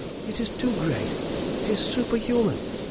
It is too great. It is superhuman!